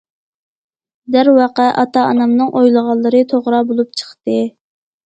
دەرۋەقە ئاتا- ئانامنىڭ ئويلىغانلىرى توغرا بولۇپ چىقتى.